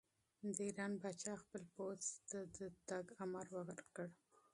د ایران پاچا خپل پوځ ته د حرکت امر ورکړ.